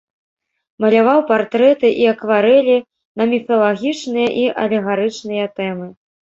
Маляваў партрэты і акварэлі на міфалагічныя і алегарычныя тэмы.